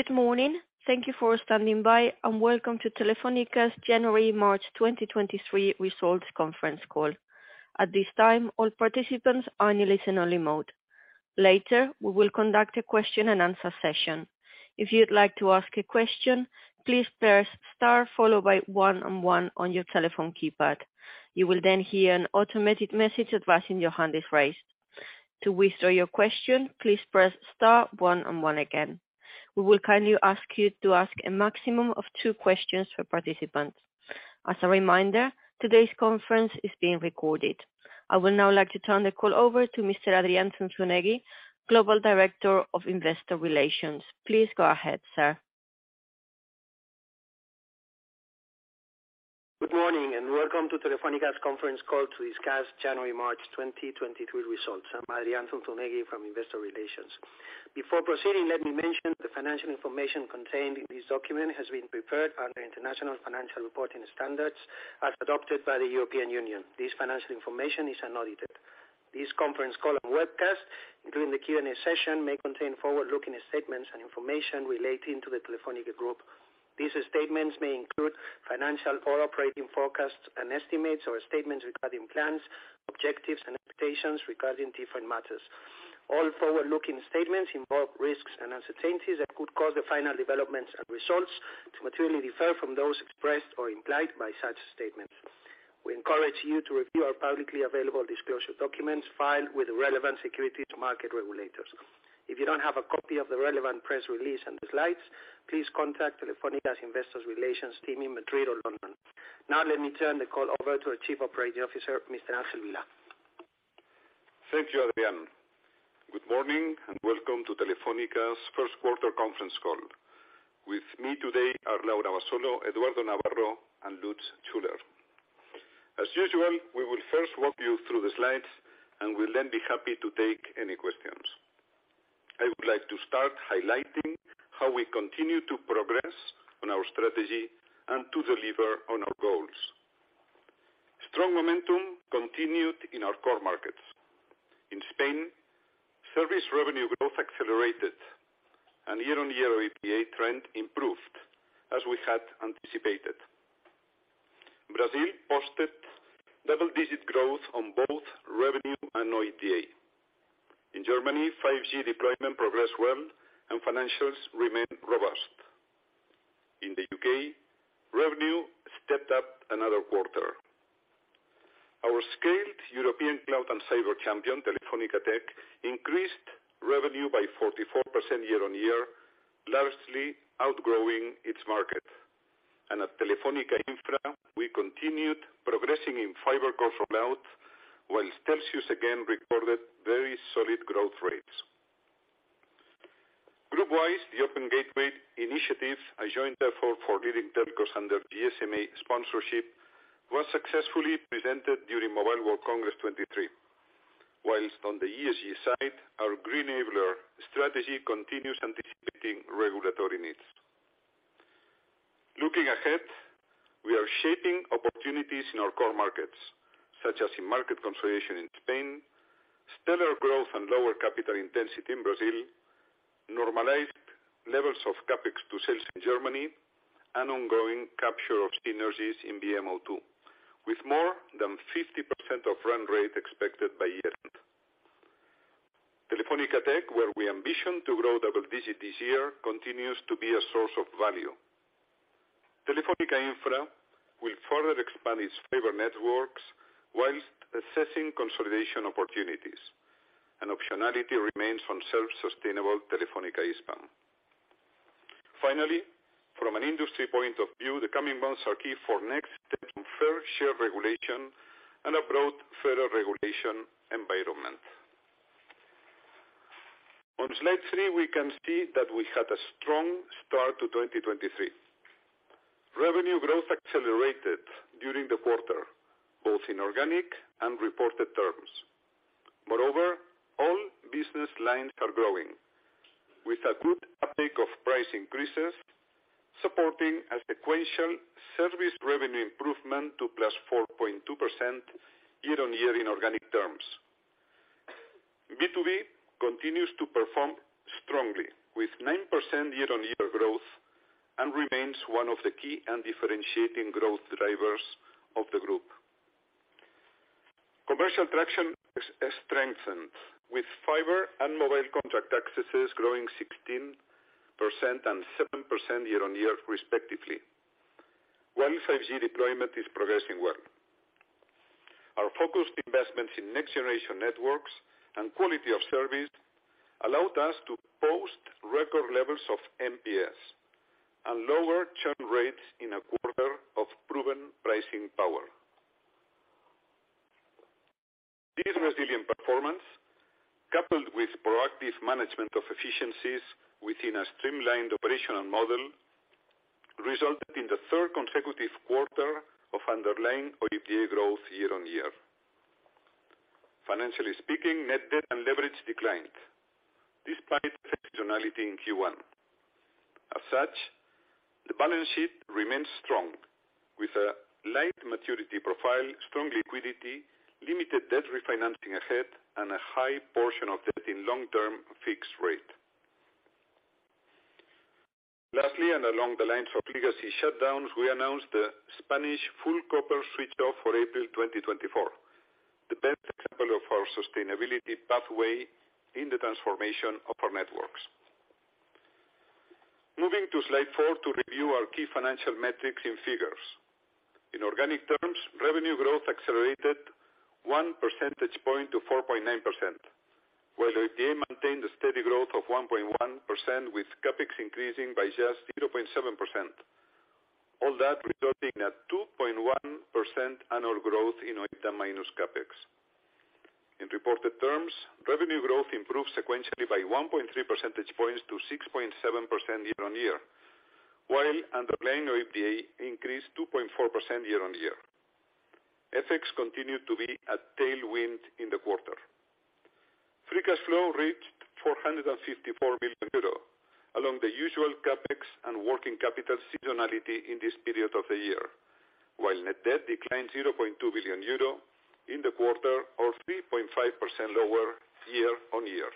Good morning. Thank you for standing by, and welcome to Telefónica's January-March 2023 results conference call. At this time, all participants are in listen only mode. Later, we will conduct a question-and-answer session. If you'd like to ask a question, please press Star followed by one and one on your telephone keypad. You will hear an automated message advising your hand is raised. To withdraw your question, please press Star one and one again. We will kindly ask you to ask a maximum of two questions per participant. As a reminder, today's conference is being recorded. I would now like to turn the call over to Mr. Adrián Zunzunegui, Global Director of Investor Relations. Please go ahead, sir. Good morning. Welcome to Telefónica's conference call to discuss January-March 2023 results. I'm Adrián Zunzunegui from Investor Relations. Before proceeding, let me mention the financial information contained in this document has been prepared under International Financial Reporting Standards as adopted by the European Union. This financial information is unaudited. This conference call and webcast, including the Q&A session, may contain forward-looking statements and information relating to the Telefónica group. These statements may include financial or operating forecasts and estimates or statements regarding plans, objectives and expectations regarding different matters. All forward-looking statements involve risks and uncertainties that could cause the final developments and results to materially differ from those expressed or implied by such statements. We encourage you to review our publicly available disclosure documents filed with the relevant securities market regulators. If you don't have a copy of the relevant press release and the slides, please contact Telefónica's Investor Relations team in Madrid or London. Now let me turn the call over to our Chief Operating Officer, Mr. Ángel Vilá. Thank you, Adrian. Good morning, welcome to Telefónica's first quarter conference call. With me today are Laura Abasolo, Eduardo Navarro and Lutz Schüler. As usual, we will first walk you through the slides, we'll then be happy to take any questions. I would like to start highlighting how we continue to progress on our strategy and to deliver on our goals. Strong momentum continued in our core markets. In Spain, service revenue growth accelerated and year-on-year OIBDA trend improved as we had anticipated. Brazil posted double-digit growth on both revenue and OIBDA. In Germany, 5G deployment progressed well and financials remained robust. In the U.K., revenue stepped up another quarter. Our scaled European cloud and cyber champion, Telefónica Tech, increased revenue by 44% year-on-year, largely outgrowing its market. At Telefónica Infra, we continued progressing in fiber core throughout, whilst Telxius again recorded very solid growth rates. Group wise, the Open Gateway initiative, a joint effort for leading telcos under GSMA sponsorship, was successfully presented during Mobile World Congress 2023. On the ESG side, our greenabler strategy continues anticipating regulatory needs. Looking ahead, we are shaping opportunities in our core markets, such as in market consolidation in Spain, stellar growth and lower capital intensity in Brazil, normalized levels of CapEx to sales in Germany and ongoing capture of synergies in VM O2, with more than 50% of run rate expected by year end. Telefónica Tech, where we ambition to grow double digit this year, continues to be a source of value. Telefónica Infra will further expand its fiber networks whilst assessing consolidation opportunities, and optionality remains on self-sustainable Telefónica Hispam. From an industry point of view, the coming months are key for next step on fair share regulation and a broad federal regulation environment. On Slide 3, we can see that we had a strong start to 2023. Revenue growth accelerated during the quarter, both in organic and reported terms. All business lines are growing with a good uptake of price increases, supporting a sequential service revenue improvement to +4.2% year-over-year in organic terms. B2B continues to perform strongly, with 9% year-over-year growth and remains one of the key and differentiating growth drivers of the group. Commercial traction has strengthened with fiber and mobile contract accesses growing 16% and 7% year-over-year respectively, while 5G deployment is progressing well. Our focused investments in next generation networks and quality of service allowed us to post record levels of NPS and lower churn rates in a quarter of proven pricing power. This resilient performance, coupled with proactive management of efficiencies within a streamlined operational model, resulted in the third consecutive quarter of underlying OIBDA growth year-over-year. Financially speaking, net debt and leverage declined despite seasonality in Q1. As such, the balance sheet remains strong with a light maturity profile, strong liquidity, limited debt refinancing ahead, and a high portion of debt in long-term fixed rate. Lastly, and along the lines of legacy shutdowns, we announced the Spanish full copper switch off for April 2024. The best example of our sustainability pathway in the transformation of our networks. Moving to Slide 4 to review our key financial metrics and figures. In organic terms, revenue growth accelerated 1 percentage point to 4.9%, while OIBDA maintained a steady growth of 1.1%, with CapEx increasing by just 0.7%. All that resulting at 2.1% annual growth in OIBDA minus CapEx. In reported terms, revenue growth improved sequentially by 1.3 percentage points to 6.7% year-on-year, while underlying OIBDA increased 2.4% year-on-year. FX continued to be a tailwind in the quarter. Free cash flow reached 454 billion euro, along the usual CapEx and working capital seasonality in this period of the year. While net debt declined 0.2 billion euro in the quarter or 3.5% lower year-on-year.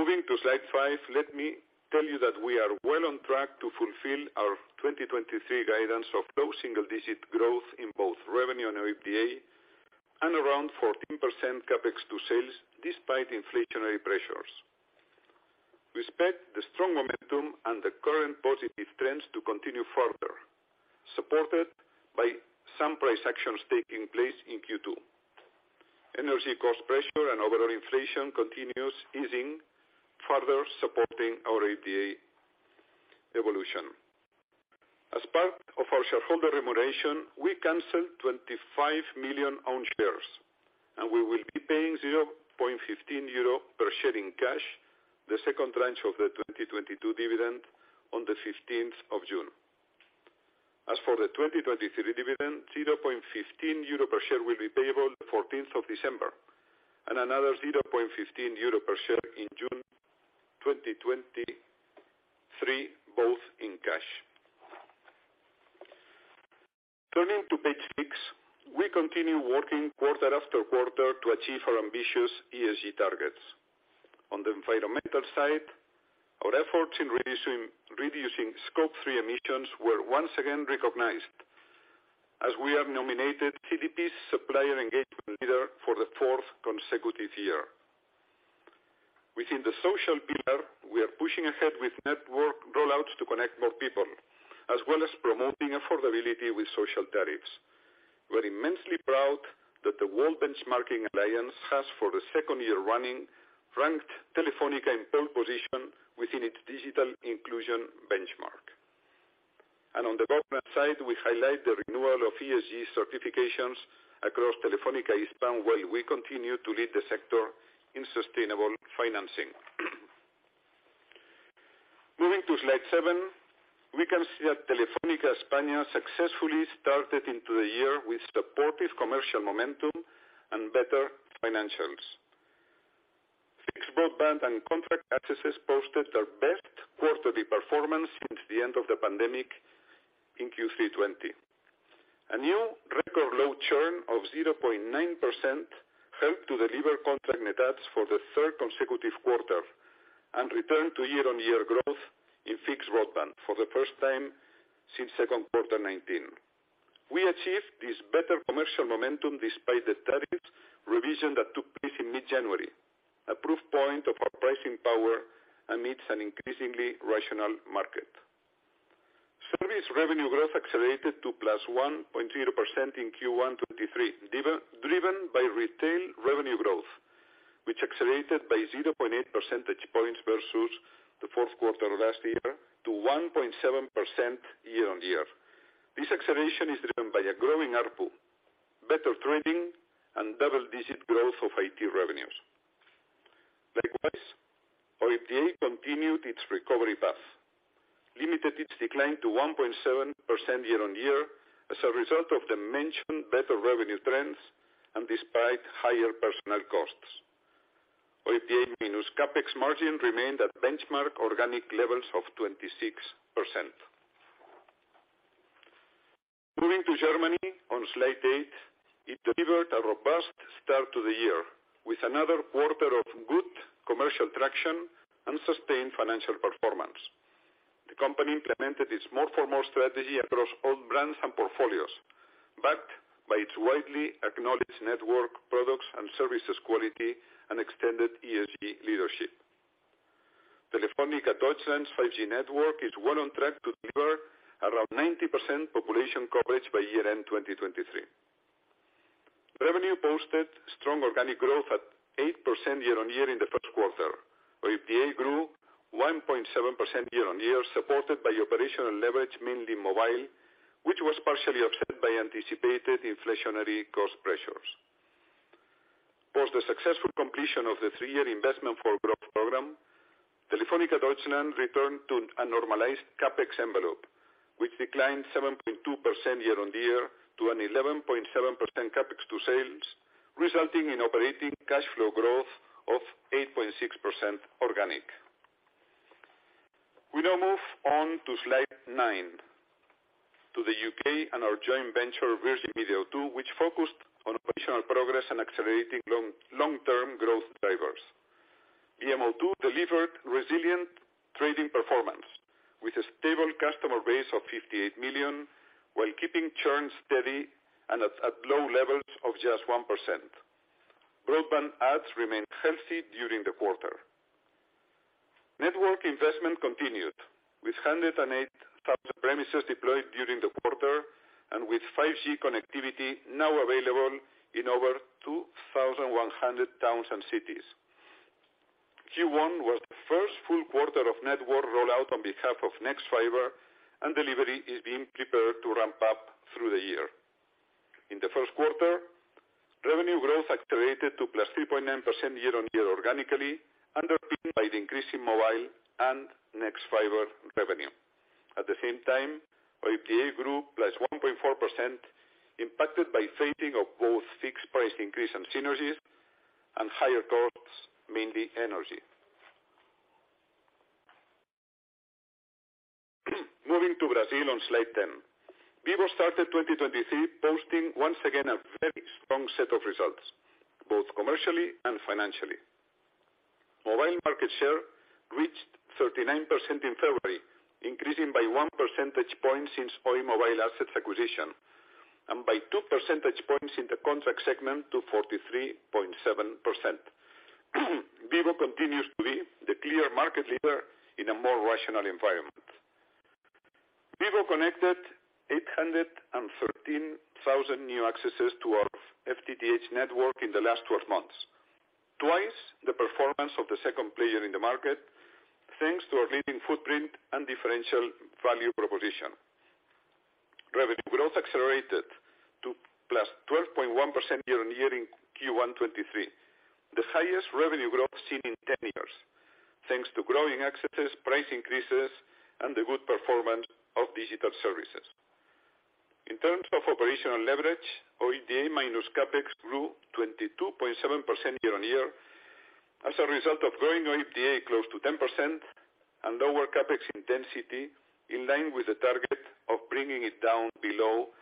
Moving to Slide 5, let me tell you that we are well on track to fulfill our 2023 guidance of low single digit growth in both revenue and OIBDA and around 14% CapEx to sales despite inflationary pressures. We expect the strong momentum and the current positive trends to continue further, supported by some price actions taking place in Q2. Energy cost pressure and overall inflation continues easing, further supporting our OIBDA evolution. As part of our shareholder remuneration, we canceled 25 million own shares and we will be paying 0.15 euro per share in cash, the second tranche of the 2022 dividend on the 15th of June. As for the 2023 dividend, 0.15 euro per share will be payable 14th of December, and another 0.15 euro per share in June 2023, both in cash. Turning to page 6, we continue working quarter after quarter to achieve our ambitious ESG targets. On the environmental side, our efforts in reducing Scope 3 emissions were once again recognized as we are nominated CDP Supplier Engagement Leader for the fourth consecutive year. Within the social pillar, we are pushing ahead with network rollouts to connect more people, as well as promoting affordability with social tariffs. We're immensely proud that the World Benchmarking Alliance has, for the second year running, ranked Telefónica in pole position within its digital inclusion benchmark. On the government side, we highlight the renewal of ESG certifications across Telefónica Hispam, while we continue to lead the sector in sustainable financing. Moving to Slide 7, we can see that Telefónica España successfully started into the year with supportive commercial momentum and better financials. Fixed broadband and contract accesses posted their best quarterly performance since the end of the pandemic in Q3 2020. A new record low churn of 0.9% helped to deliver contract net adds for the third consecutive quarter and return to year-on-year growth in fixed broadband for the first time since second quarter 2019. We achieved this better commercial momentum despite the tariff revision that took place in mid-January, a proof point of our pricing power amidst an increasingly rational market. Service revenue growth accelerated to 1.0%+ in Q1 2023, driven by retail revenue growth, which accelerated by 0.8 percentage points versus the fourth quarter last year to 1.7% year-on-year. This acceleration is driven by a growing ARPU, better trending, and double-digit growth of IT revenues. Likewise, OIBDA continued its recovery path, limited its decline to 1.7% year-on-year as a result of the mentioned better revenue trends and despite higher personnel costs. OIBDA minus CapEx margin remained at benchmark organic levels of 26%. Moving to Germany on Slide 8, it delivered a robust start to the year with another quarter of good commercial traction and sustained financial performance. The company implemented its more for more strategy across all brands and portfolios, backed by its widely acknowledged network products and services quality and extended ESG leadership. Telefónica Deutschland's 5G network is well on track to deliver around 90% population coverage by year-end 2023. Revenue posted strong organic growth at 8% year-on-year in the first quarter. OIBDA grew 1.7% year-on-year, supported by operational leverage, mainly mobile, which was partially offset by anticipated inflationary cost pressures. Post the successful completion of the three-year Investment for Growth program, Telefónica Deutschland returned to a normalized CapEx envelope, which declined 7.2% year-on-year to an 11.7% CapEx to sales, resulting in operating cash flow growth of 8.6% organic. We now move on to Slide 9, to the U.K. and our joint venture, Virgin Media O2, which focused on operational progress and accelerating long-term growth drivers. VMO2 delivered resilient trading performance with a stable customer base of 58 million while keeping churn steady and at low levels of just 1%. Broadband adds remained healthy during the quarter. Network investment continued with 108,000 premises deployed during the quarter, and with 5G connectivity now available in over 2,100 towns and cities. Q1 was the first full quarter of network rollout on behalf of nexfibre, delivery is being prepared to ramp up through the year. In the first quarter, revenue growth accelerated to 3.9%+ year-on-year organically, underpinned by the increase in mobile and nexfibre revenue. At the same time, OIBDA grew 1.4%+ impacted by fading of both fixed price increase and synergies and higher costs, mainly energy. Moving to Brazil on Slide 10. Vivo started 2023 posting once again a very strong set of results, both commercially and financially. Mobile market share reached 39% in February, increasing by 1 percentage point since Oi mobile assets acquisition and by 2 percentage points in the contract segment to 43.7%. Vivo continues to be the clear market leader in a more rational environment. Vivo connected 813,000 new accesses to our FTTH network in the last 12 months. Twice the performance of the second player in the market, thanks to our leading footprint and differential value proposition. Revenue growth accelerated to 12.1%+ year-on-year in Q1 2023. The highest revenue growth seen in 10 years, thanks to growing accesses, price increases, and the good performance of digital services. In terms of operational leverage, OIBDA minus CapEx grew 22.7% year-on-year as a result of growing OIBDA close to 10% and lower CapEx intensity in line with the target of bringing it down below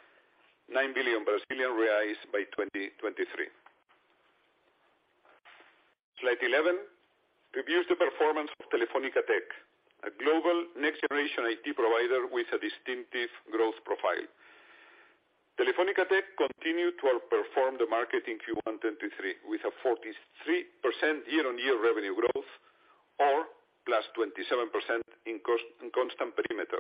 9 billion Brazilian reais by 2023. Slide 11 reviews the performance of Telefónica Tech, a global next-generation IT provider with a distinctive growth profile. Telefónica Tech continued to outperform the market in Q1 2023 with a 43% year-on-year revenue growth, or +27% in constant perimeter,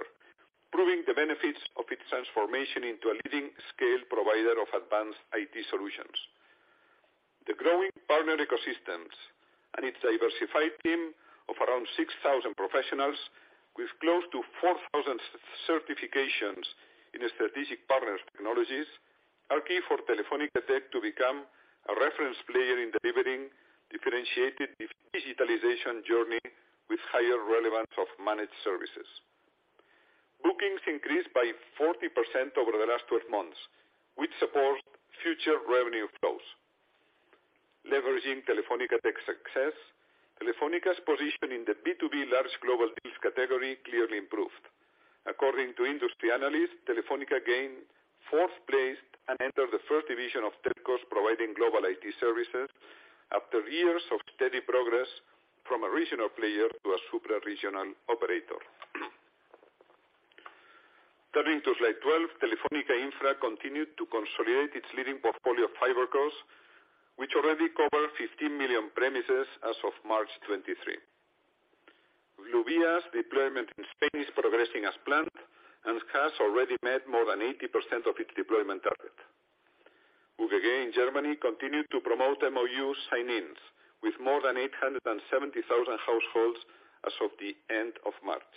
proving the benefits of its transformation into a leading scale provider of advanced IT solutions. The growing partner ecosystems and its diversified team of around 6,000 professionals with close to 4,000 certifications in strategic partners' technologies are key for Telefónica Tech to become a reference player in delivering differentiated digitalization journey with higher relevance of managed services. Bookings increased by 40% over the last 12 months, which support future revenue flows. Leveraging Telefónica Tech's success, Telefónica's position in the B2B large global deals category clearly improved. According to industry analysts, Telefónica gained fourth place and entered the first division of telcos providing global IT services after years of steady progress from a regional player to a supraregional operator. Turning to Slide 12, Telefónica Infra continued to consolidate its leading portfolio of fiber Cos., which already cover 15 million premises as of March 2023. Bluevía's deployment in Spain is progressing as planned and has already met more than 80% of its deployment target. UGG in Germany continued to promote MOU sign-ins with more than 870,000 households as of the end of March.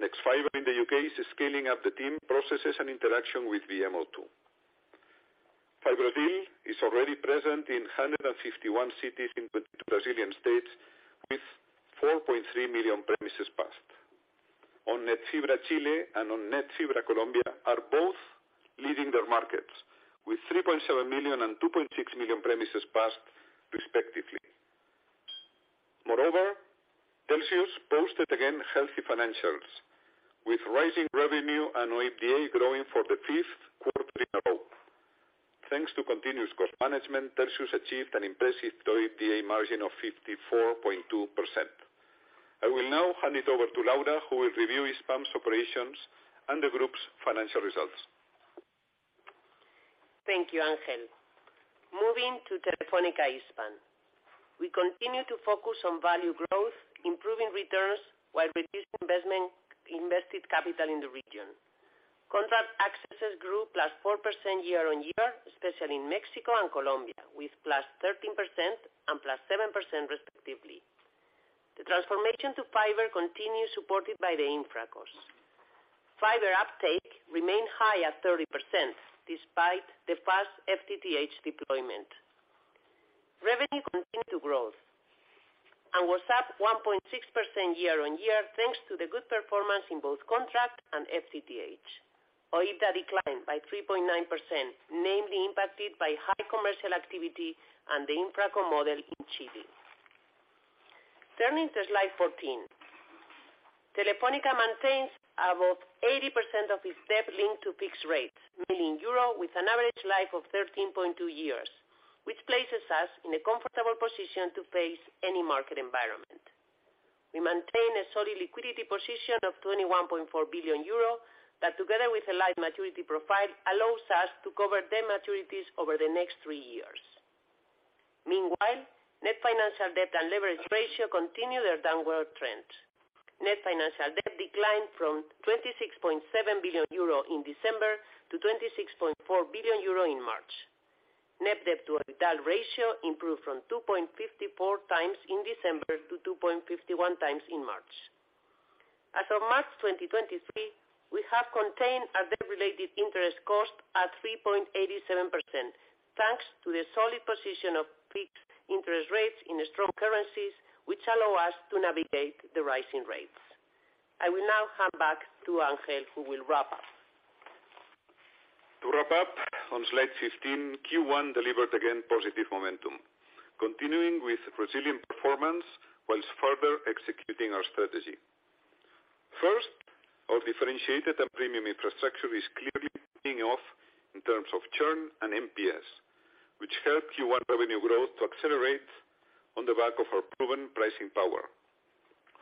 nexfibre in the U.K. is scaling up the team processes and interaction with VMO2. FiBrasil is already present in 151 cities in Brazilian states with 4.3 million premises passed. ON*NET Fibra Chile and ON*NET Fibra Colombia are both leading their markets with 3.7 million and 2.6 million premises passed respectively. Moreover, Telxius posted again healthy financials with rising revenue and OIBDA growing for the fifth quarter in a row. Thanks to continuous cost management, Telxius achieved an impressive OIBDA margin of 54.2%. I will now hand it over to Laura, who will review Hispam's operations and the group's financial results. Thank you, Ángel. Moving to Telefónica Hispam. We continue to focus on value growth, improving returns while reducing invested capital in the region. Contract accesses grew 4%+ year on year, especially in Mexico and Colombia, with 13%+ and 7%+ respectively. The transformation to fiber continues, supported by the Infra Cos. Fiber uptake remained high at 30% despite the fast FTTH deployment. Revenue continued to growth and was up 1.6% year on year, thanks to the good performance in both Contract and FTTH. OIBDA declined by 3.9%, namely impacted by high commercial activity and the InfraCo model in Chile. Turning to Slide 14. Telefónica maintains about 80% of its debt linked to fixed rates, mainly in EUR, with an average life of 13.2 years, which places us in a comfortable position to face any market environment. We maintain a solid liquidity position of 21.4 billion euro that together with a light maturity profile, allows us to cover debt maturities over the next three years. Meanwhile, net financial debt and leverage ratio continue their downward trend. Net financial debt declined from 26.7 billion euro in December to 26.4 billion euro in March. Net debt to EBITDA ratio improved from 2.54 times in December to 2.51 times in March. As of March 2023, we have contained our debt related interest cost at 3.87%, thanks to the solid position of fixed interest rates in the strong currencies, which allow us to navigate the rising rates. I will now hand back to Ángel, who will wrap up. To wrap up, on Slide 15, Q1 delivered again positive momentum, continuing with resilient performance while further executing our strategy. First, our differentiated and premium infrastructure is clearly paying off in terms of churn and NPS, which helped Q1 revenue growth to accelerate on the back of our proven pricing power.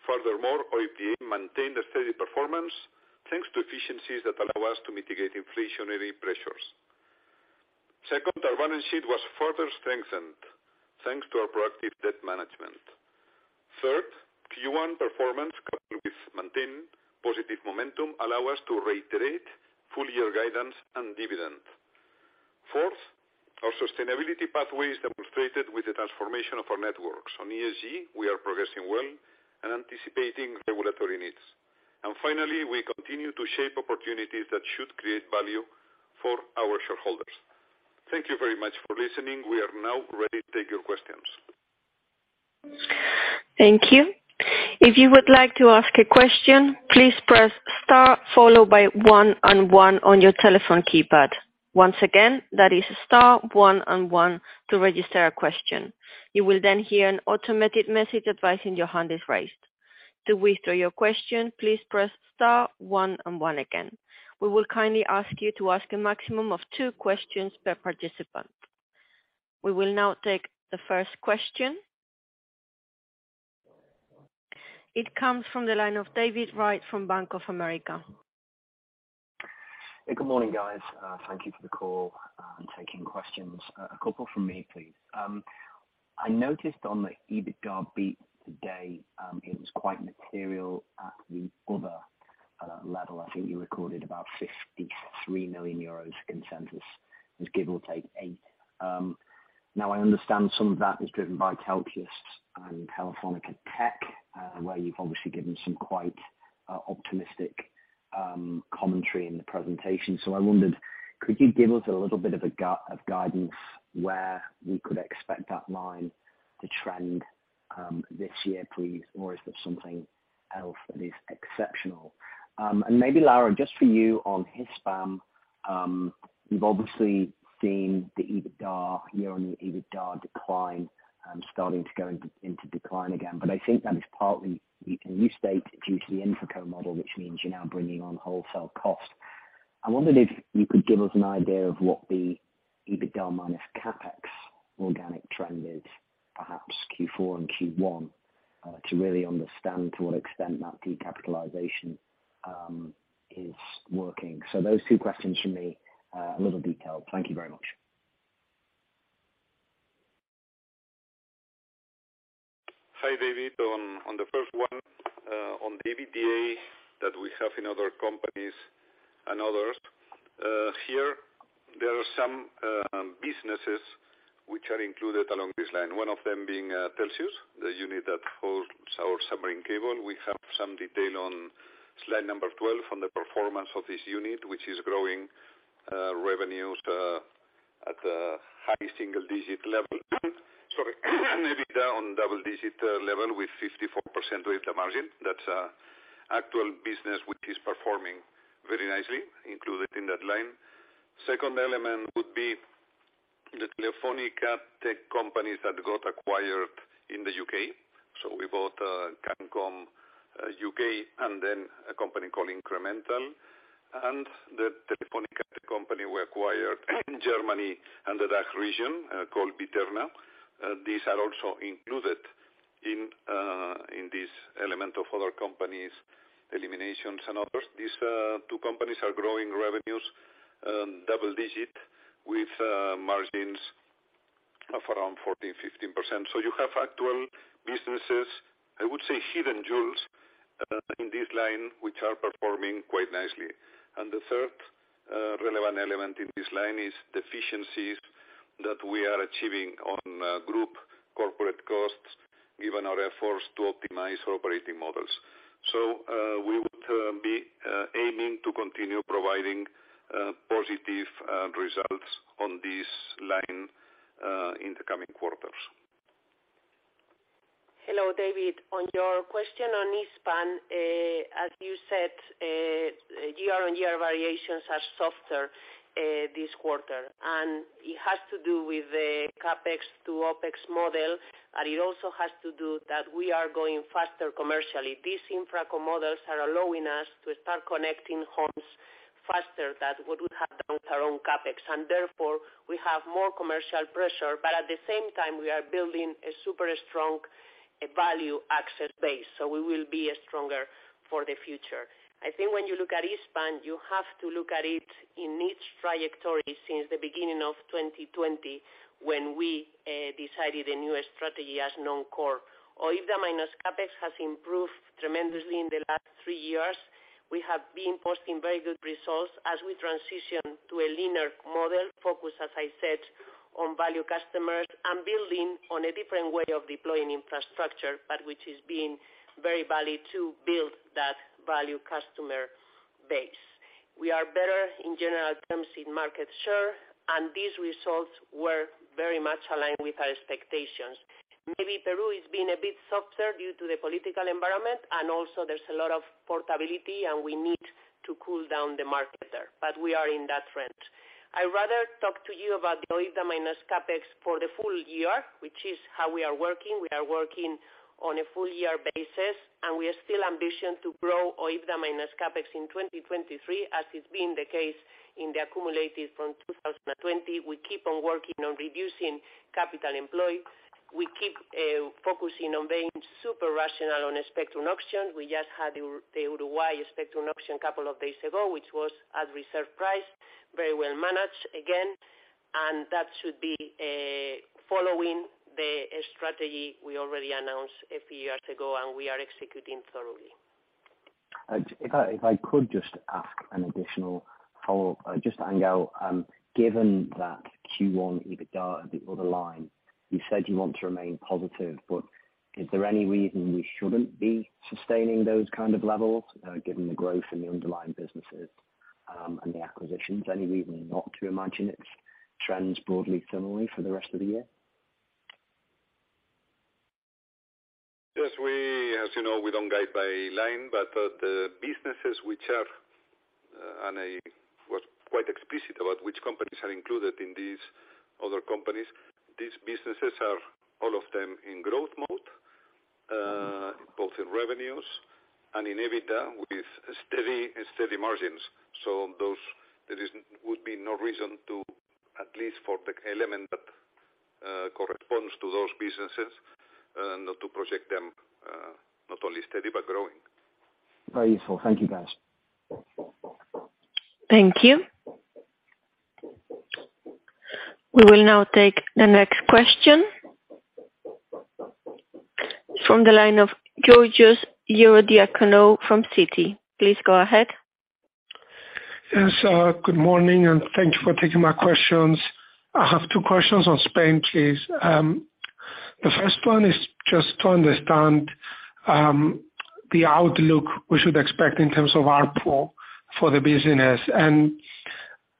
Furthermore, OIBDA maintained a steady performance thanks to efficiencies that allow us to mitigate inflationary pressures. Second, our balance sheet was further strengthened thanks to our proactive debt management. Third, Q1 performance coupled with maintaining positive momentum allow us to reiterate full year guidance and dividend. Fourth, our sustainability pathway is demonstrated with the transformation of our networks. On ESG, we are progressing well and anticipating regulatory needs. Finally, we continue to shape opportunities that should create value for our shareholders. Thank you very much for listening. We are now ready to take your questions. Thank you. If you would like to ask a question, please press star followed by one and one on your telephone keypad. Once again, that is star one and one to register a question. You will then hear an automated message advising your hand is raised. To withdraw your question, please press star one and one again. We will kindly ask you to ask a maximum of 2 questions per participant. We will now take the first question. It comes from the line of David Wright from Bank of America. Good morning, guys. Thank you for the call and taking questions. A couple from me, please. I noticed on the EBITDA beat today, it was quite material at the other level. I think you recorded about 53 million euros consensus, give or take 8 million. Now I understand some of that is driven by Telxius and Telefónica Tech, where you've obviously given some quite optimistic commentary in the presentation. I wondered, could you give us a little bit of guidance where we could expect that line to trend this year, please? Is there something else that is exceptional? Maybe Lara, just for you on Hispam, you've obviously seen the EBITDA, year-over-year EBITDA decline, starting to go into decline again. I think that is partly, and you state, due to the InfraCo model, which means you're now bringing on wholesale cost. I wondered if you could give us an idea of what the EBITDA minus CapEx organic trend is, perhaps Q4 and Q1, to really understand to what extent that decapitalization is working. Those two questions from me, a little detail. Thank you very much. Hi, David. On the first one, on the EBITDA that we have in other companies and others, here there are some businesses which are included along this line, one of them being Telxius, the unit that holds our submarine cable. We have some detail on Slide number 12 on the performance of this unit, which is growing revenues at a high single digit level. Sorry. EBITDA on double digit level with 54% OIBDA margin. That's actual business, which is performing very nicely included in that line. Second element would be the Telefónica Tech companies that got acquired in the UK. We bought Cancom UK, and then a company called Incremental, and the Telefónica company we acquired in Germany and the DACH region, called BE-terna. These are also included in this element of other companies, eliminations and others. These 2 companies are growing revenues, double-digit with margins of around 14%-15%. You have actual businesses, I would say hidden jewels, in this line, which are performing quite nicely. The third relevant element in this line is the efficiencies that we are achieving on group corporate costs given our efforts to optimize our operating models. We would be aiming to continue providing positive results on this line in the coming quarters. Hello, David. On your question on Hispam, as you said, year-on-year variations are softer, this quarter. It has to do with the CapEx to OpEx model, and it also has to do that we are going faster commercially. These InfraCo models are allowing us to start connecting homes faster than what would have done with our own CapEx. Therefore, we have more commercial pressure. At the same time, we are building a super strong value asset base, so we will be stronger for the future. I think when you look at Hispam, you have to look at it in its trajectory since the beginning of 2020, when we decided a new strategy as non-core. OIBDA minus CapEx has improved tremendously in the last 3 years. We have been posting very good results as we transition to a leaner model, focused, as I said, on value customers and building on a different way of deploying infrastructure, but which is being very valid to build that value customer base. We are better in general terms in market share. These results were very much aligned with our expectations. Maybe Peru is being a bit softer due to the political environment. Also there's a lot of portability. We need to cool down the market there, but we are in that trend. I rather talk to you about the OIBDA minus CapEx for the full year, which is how we are working. We are working on a full year basis. We are still ambition to grow OIBDA minus CapEx in 2023, as has been the case in the accumulated from 2020. We keep on working on reducing capital employed. We keep focusing on being super rational on a spectrum auction. We just had the Uruguay spectrum auction a couple of days ago, which was at reserve price, very well managed again. That should be following the strategy we already announced a few years ago, and we are executing thoroughly. If I could just ask an additional follow-up. Just Ángel, given that Q1 EBITDA, the other line, you said you want to remain positive, but is there any reason we shouldn't be sustaining those kind of levels, given the growth in the underlying businesses, and the acquisitions? Any reason not to imagine it trends broadly similarly for the rest of the year? We as you know, we don't guide by line, but the businesses which are, and I was quite explicit about which companies are included in these other companies. These businesses are all of them in growth mode, both in revenues and in OIBDA, with steady margins. Those there would be no reason to, at least for the element that, corresponds to those businesses, not to project them, not only steady but growing. Very useful. Thank you, guys. Thank you. We will now take the next question from the line of Georgios Ierodiaconou from Citi. Please go ahead. Yes. Good morning, thank you for taking my questions. I have two questions on Spain, please. The first one is just to understand the outlook we should expect in terms of ARPU for the business.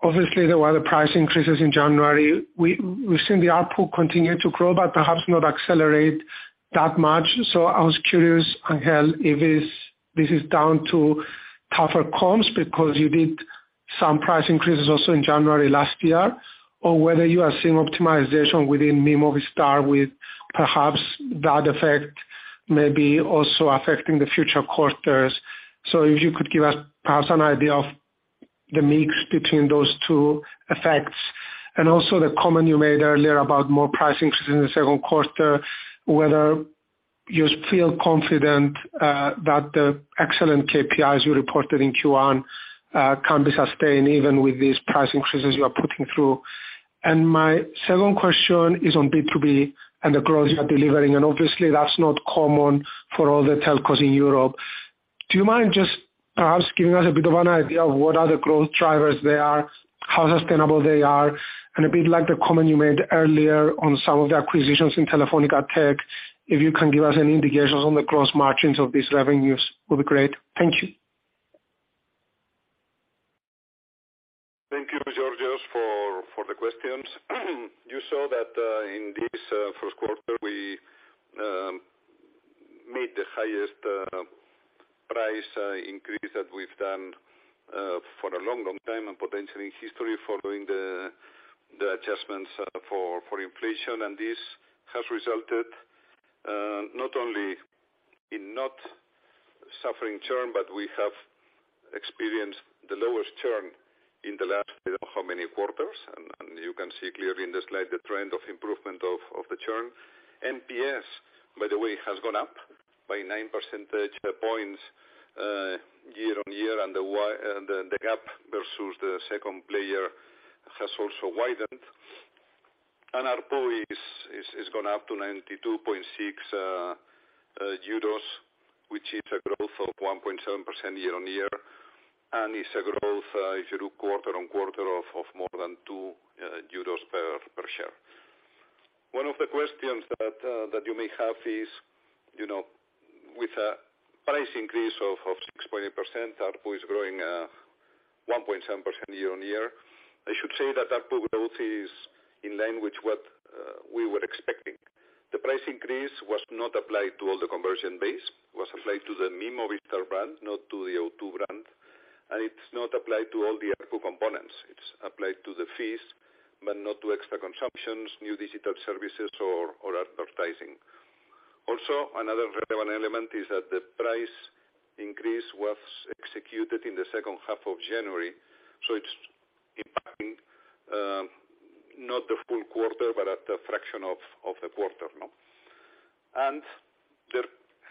Obviously, there were the price increases in January. We've seen the ARPU continue to grow but perhaps not accelerate that much. I was curious, Ángel, if this is down to tougher comps because you did some price increases also in January last year, or whether you are seeing optimization within Movistar with perhaps that effect maybe also affecting the future quarters. If you could give us perhaps an idea of the mix between those two effects. Also the comment you made earlier about more price increases in the 2nd quarter, whether you feel confident that the excellent KPIs you reported in Q1 can be sustained even with these price increases you are putting through. My second question is on B2B and the growth you are delivering, and obviously that's not common for all the telcos in Europe. Do you mind just perhaps giving us a bit of an idea of what are the growth drivers there are, how sustainable they are, and a bit like the comment you made earlier on some of the acquisitions in Telefónica Tech. If you can give us any indications on the gross margins of these revenues will be great. Thank you. Thank you, Georgios, for the questions. You saw that in this first quarter, we made the highest price increase that we've done for a long, long time and potentially in history following the adjustments for inflation. This has resulted not only in not suffering churn, but we have experienced the lowest churn in the last I don't know how many quarters. You can see clearly in the slide the trend of improvement of the churn. NPS, by the way, has gone up by nine percentage points year on year, and the gap versus the second player has also widened. ARPU is gone up to 92.6 euros, which is a growth of 1.7% year-on-year, and it's a growth, if you look quarter-on-quarter, of more than 2 euros per share. One of the questions that you may have is, you know, with a price increase of 6.8%, ARPU is growing 1.7% year-on-year. I should say that ARPU growth is in line with what we were expecting. The price increase was not applied to all the conversion base. It was applied to the miMovistar brand, not to the O2 brand, and it's not applied to all the ARPU components. It's applied to the fees, but not to extra consumptions, new digital services or advertising. Another relevant element is that the price increase was executed in the second half of January, so it's impacting, not the full quarter, but at the fraction of the quarter, no? There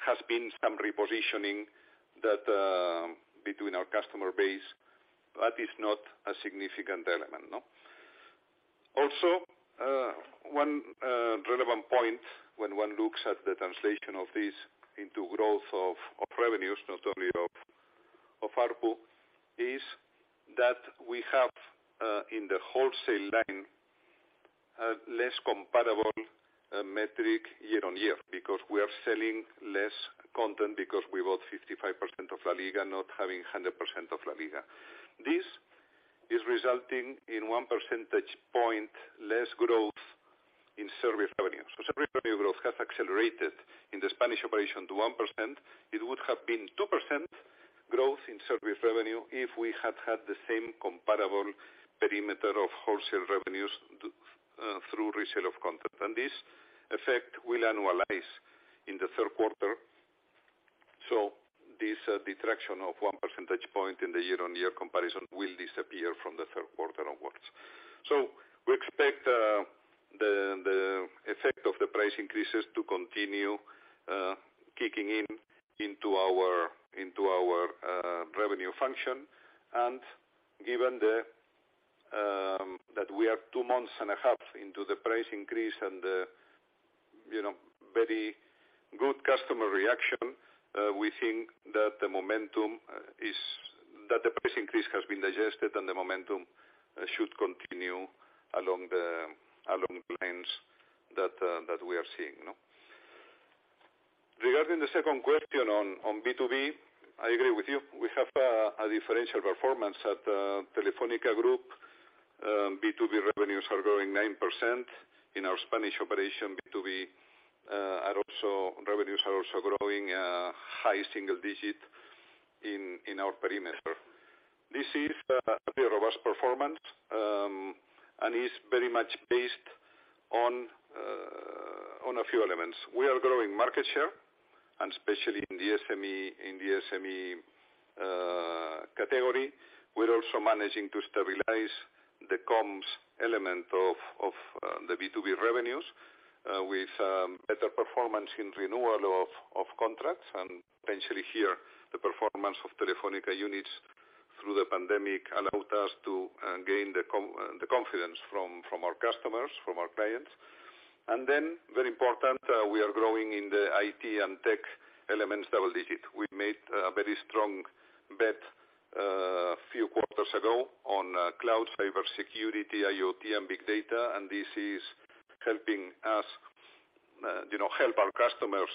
has been some repositioning that between our customer base, but it's not a significant element, no? One relevant point when one looks at the translation of this into growth of revenues, not only of ARPU, is that we have in the wholesale line less comparable metric year-on-year because we are selling less content because we bought 55% of LaLiga, not having 100% of LaLiga. This is resulting in 1 percentage point less growth in service revenue. Service revenue growth has accelerated in the Spanish operation to 1%. It would have been 2% growth in service revenue if we had had the same comparable perimeter of wholesale revenues through resale of content. This effect will annualize in the third quarter. This detraction of 1 percentage point in the year-on-year comparison will disappear from the third quarter onwards. We expect the effect of the price increases to continue kicking in into our revenue function. Given that we are two months and a half into the price increase and the, you know, very good customer reaction, we think that the momentum is. That the price increase has been digested and the momentum should continue along the lines that we are seeing, no? Regarding the second question on B2B, I agree with you. We have a differential performance at Telefónica Group. B2B revenues are growing 9%. In our Spanish operation B2B revenues are also growing high single digit in our perimeter. This is a very robust performance and is very much based on a few elements. We are growing market share and especially in the SME category. We're also managing to stabilize the comms element of the B2B revenues with better performance in renewal of contracts. Potentially here, the performance of Telefónica units through the pandemic allowed us to gain the confidence from our customers, from our clients. Very important, we are growing in the IT and tech elements double digit. We made a very strong bet, few quarters ago on cloud, cyber security, IoT and big data, and this is helping us, you know, help our customers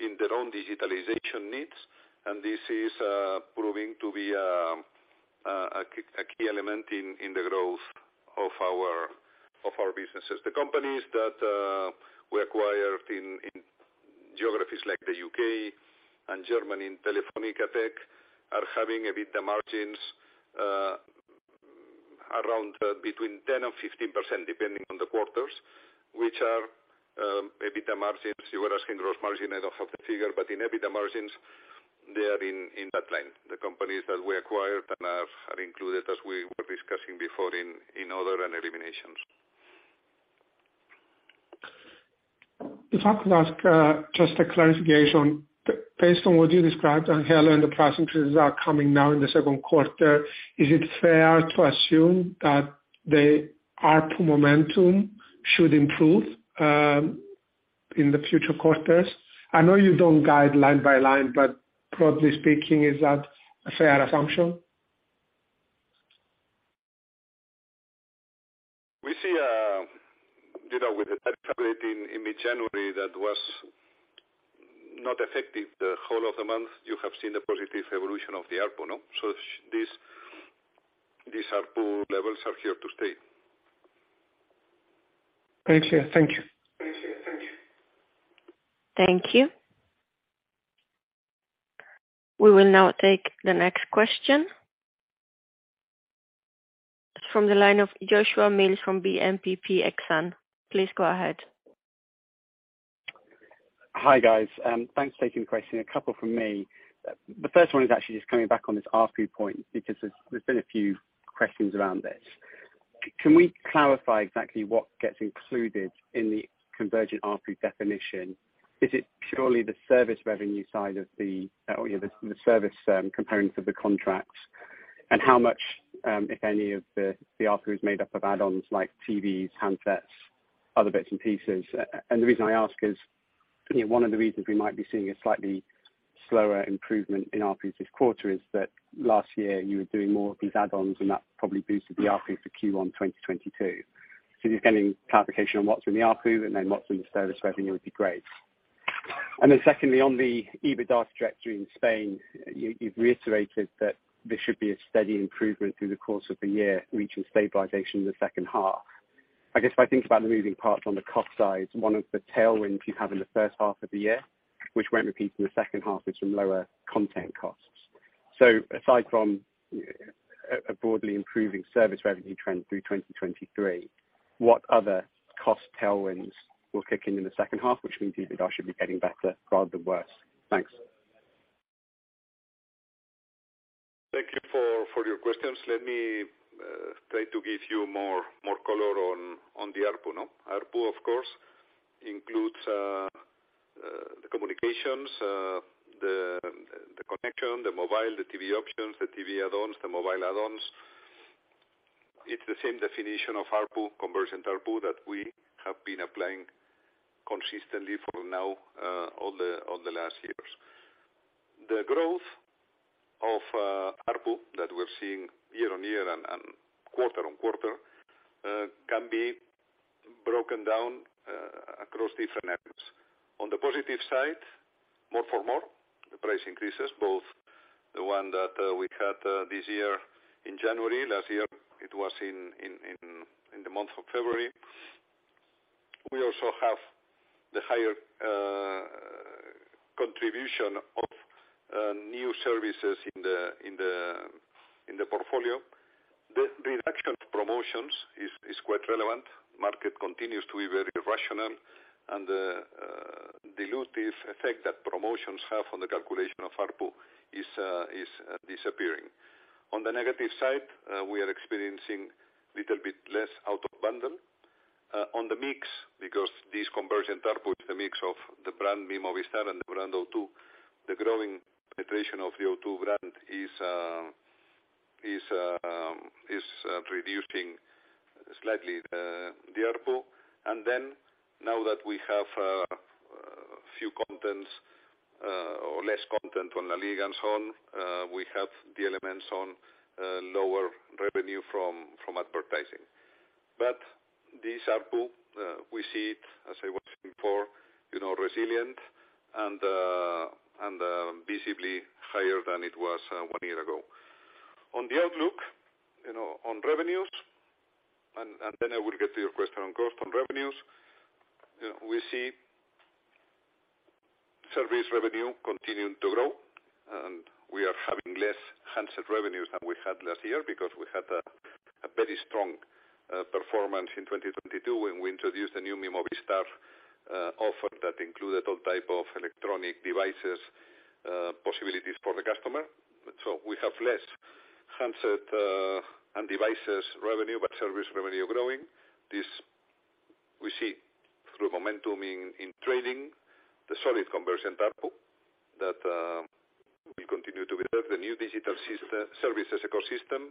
in their own digitalization needs. This is proving to be a key element in the growth of our businesses. The companies that we acquired in geographies like the U.K. and Germany in Telefónica Tech are having EBITDA margins around between 10% and 15%, depending on the quarters, which are EBITDA margins. You were asking gross margin, I don't have the figure, but in EBITDA margins they are in that line. The companies that we acquired and have, are included as we were discussing before in other and eliminations. If I could ask, just a clarification. Based on what you described, Ángel, and the price increases are coming now in the second quarter, is it fair to assume that the ARPU momentum should improve in the future quarters? I know you don't guide line by line, but broadly speaking, is that a fair assumption? We see, you know, with the price increase in mid-January that was not effective the whole of the month, you have seen the positive evolution of the ARPU, no? These ARPU levels are here to stay. Very clear. Thank you. Very clear. Thank you. Thank you. We will now take the next question. From the line of Joshua Mills from BNP Paribas Exane. Please go ahead. Hi, guys. Thanks for taking the question. A couple from me. The first one is actually just coming back on this ARPU point because there's been a few questions around this. Can we clarify exactly what gets included in the convergent ARPU definition? Is it purely the service revenue side of the, or, you know, the service components of the contracts? How much, if any of the ARPU is made up of add-ons like TVs, handsets, other bits and pieces. The reason I ask is, you know, one of the reasons we might be seeing a slightly slower improvement in ARPU this quarter is that last year you were doing more of these add-ons, and that probably boosted the ARPU for Q1 in 2022. If you're getting clarification on what's in the ARPU and then what's in the service revenue would be great. Secondly, on the EBITDA trajectory in Spain, you've reiterated that there should be a steady improvement through the course of the year, reaching stabilization in the second half. I guess if I think about the moving parts on the cost side, one of the tailwinds you have in the first half of the year, which won't repeat in the second half, is some lower content costs. Aside from a broadly improving service revenue trend through 2023, what other cost tailwinds will kick in in the second half, which means EBITDA should be getting better rather than worse? Thanks. Thank you for your questions. Let me try to give you more color on the ARPU. ARPU of course, includes the communications, the connection, the mobile, the TV options, the TV add-ons, the mobile add-ons. It's the same definition of ARPU, conversion ARPU that we have been applying consistently for now, all the last years. The growth of ARPU that we're seeing year-on-year and quarter-on-quarter can be broken down across different areas. On the positive side, more for more, the price increases both the one that we had this year in January. Last year, it was in the month of February. We also have the higher contribution of new services in the portfolio. The reduction of promotions is quite relevant. Market continues to be very rational and dilutive effect that promotions have on the calculation of ARPU is disappearing. On the negative side, we are experiencing little bit less out of bundle on the mix because this conversion ARPU, the mix of the brand Movistar and the brand O2, the growing penetration of the O2 brand is reducing slightly the ARPU. Now that we have a few contents or less content on LaLiga and so on, we have the elements on lower revenue from advertising. This ARPU, we see it as I was saying before, you know, resilient and visibly higher than it was 1 year ago. On the outlook, you know, on revenues, and then I will get to your question on cost. On revenues, we see service revenue continuing to grow, and we are having less handset revenues than we had last year because we had a very strong performance in 2022 when we introduced a new Movistar offer that included all type of electronic devices possibilities for the customer. We have less handset and devices revenue, but service revenue growing. This we see through momentum in trading, the solid conversion ARPU that we continue to build. The new digital services ecosystem.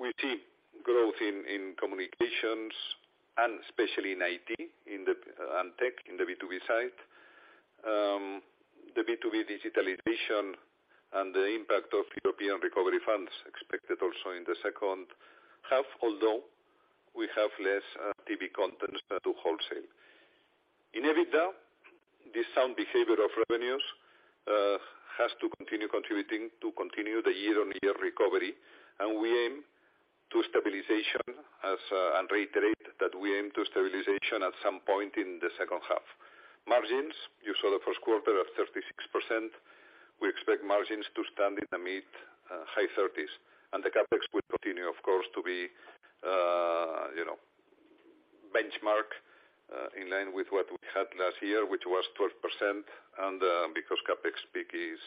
We see growth in communications and especially in IT, in the and tech in the B2B side. The B2B digitalization and the impact of European recovery funds expected also in the second half, although we have less TV content to wholesale. In EBITDA, this sound behavior of revenues has to continue contributing to continue the year-on-year recovery, and we aim to stabilization as and reiterate that we aim to stabilization at some point in the second half. Margins, you saw the first quarter of 36%. We expect margins to stand in the mid, high thirties. The CapEx will continue, of course, to be, you know, benchmark in line with what we had last year, which was 12% and because CapEx peak is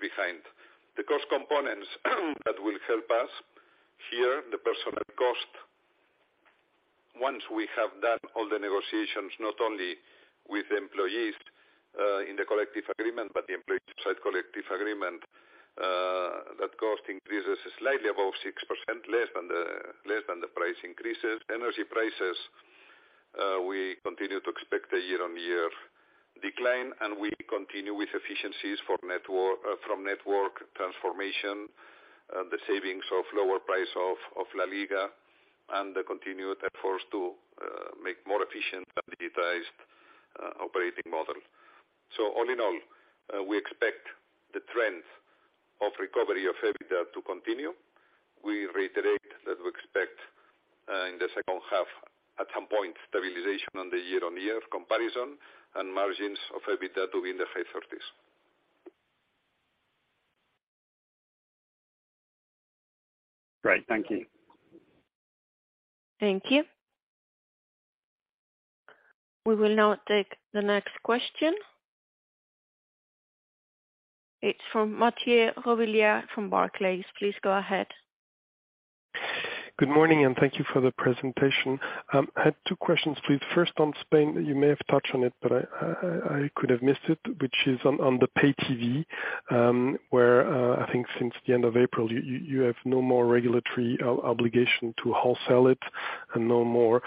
behind. The cost components that will help us here, the personnel cost. Once we have done all the negotiations, not only with employees, in the collective agreement, but the employee side collective agreement, that cost increases slightly above 6% less than the price increases. Energy prices, we continue to expect a year-on-year decline, and we continue with efficiencies for network, from network transformation, the savings of lower price of LaLiga and the continued efforts to make more efficient and digitized operating model. All in all, we expect the trend of recovery of EBITDA to continue. We reiterate that we expect in the second half at some point, stabilization on the year-on-year comparison and margins of EBITDA to be in the high 30s. Great. Thank you. Thank you. We will now take the next question. It's from Mathieu Robilliard from Barclays. Please go ahead Good morning. Thank you for the presentation. I had two questions for you. First, on Spain, you may have touched on it, but I could have missed it, which is on the pay TV, where I think since the end of April, you have no more regulatory obligation to wholesale it and no more